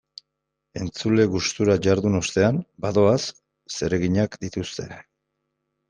Entzule gustura jardun ostean, badoaz, zereginak dituzte.